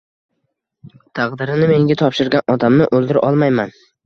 Taqdirini menga topshirgan odamni o’ldira olmayman.